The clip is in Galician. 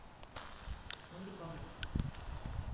Non di como.